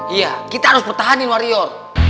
iya kita harus petani warior